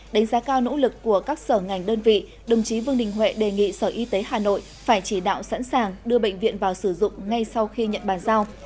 đánh giá cao nỗ lực của các sở ngành đơn vị đồng chí vương đình huệ đề nghị sở y tế hà nội phải chỉ đạo sẵn sàng đưa bệnh viện vào sử dụng ngay sau khi nhận bàn giao